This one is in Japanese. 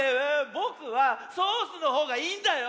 ぼくはソースのほうがいいんだよ。